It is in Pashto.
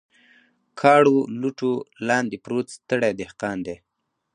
کاڼو، لوټو لاندې پروت ستړی دهقان دی